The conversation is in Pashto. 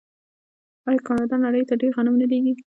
آیا کاناډا نړۍ ته ډیر غنم نه لیږي؟